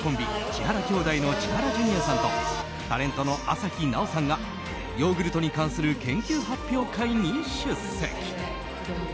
千原兄弟の千原ジュニアさんとタレントの朝日奈央さんがヨーグルトに関する研究発表会に出席。